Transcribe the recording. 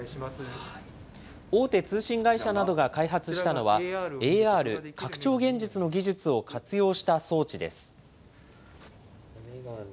大手通信会社などが開発したのは、ＡＲ・拡張現実の技術を活用した装置です。